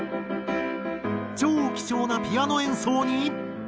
超貴重なピアノ演奏に。